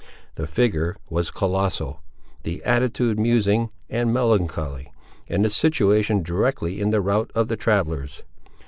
The figure was colossal; the attitude musing and melancholy, and the situation directly in the route of the travellers.